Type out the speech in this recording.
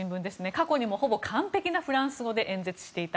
過去にもほぼ完璧なフランス語で演説していた。